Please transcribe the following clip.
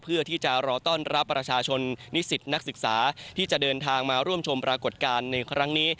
เพื่อที่จะรอต้อนรับประชาชนนิสิตนักศึกษาที่จะเดินทางมาร่วมชมปรากฏการณ์ในครั้งนี้